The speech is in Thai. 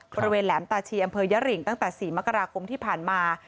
แหลมตาชีอำเภอยริงตั้งแต่๔มกราคมที่ผ่านมา